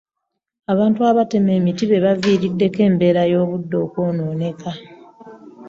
Abantu abatema emiti be baviiriddeko embeera y'obudde okwonooneka.